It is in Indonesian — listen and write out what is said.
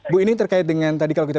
bu ini terkait dengan tadi kalau kita